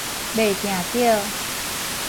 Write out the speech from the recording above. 袂定著